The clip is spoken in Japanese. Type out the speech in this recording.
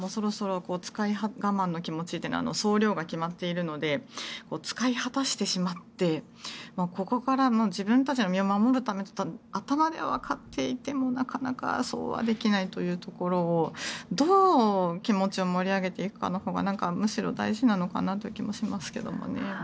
我慢の気持ちというのは総量が決まっているので使い果たしてしまってここから自分たちの身を守るためと頭ではわかっていてもなかなかそうはできないというところをどう気持ちを盛り上げていくかのほうがむしろ大事なのかなという気もしますけどね。